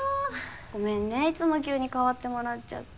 ごめんねいつも急に代わってもらっちゃって。